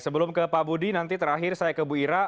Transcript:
sebelum ke pak budi nanti terakhir saya ke bu ira